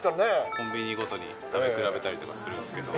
コンビニごとに食べ比べたりとかするんですけど。